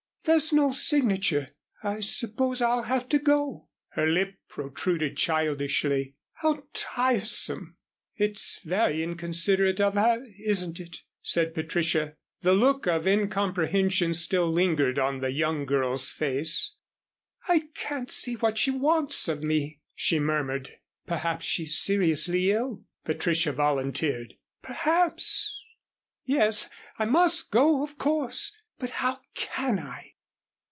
There's no signature. I suppose I'll have to go." Her lip protruded childishly. "How tiresome!" "It's very inconsiderate of her, isn't it?" said Patricia. The look of incomprehension still lingered on the young girl's face. "I can't see what she wants of me," she murmured. "Perhaps she's seriously ill," Patricia volunteered. "Perhaps yes, I must go, of course. But how can I?"